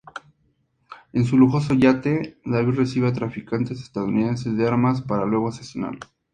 En su lujoso yate, David recibe a traficantes estadounidenses de armas, para luego asesinarlos.